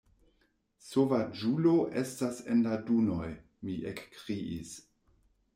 Sovaĝulo estas en la dunoj! mi ekkriis.